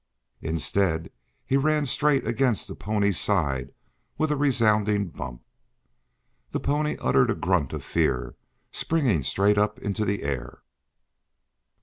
Instead he ran straight against the pony's side with a resounding bump. The pony uttered a grunt of fear, springing straight up into the air.